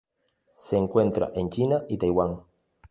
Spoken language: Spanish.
Se encuentra en China y Taiwan.